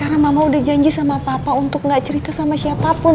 karena mama udah janji sama papa untuk gak cerita sama siapapun